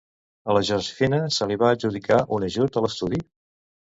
A la Josefina se li va adjudicar un ajut a l'estudi?